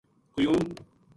قیو م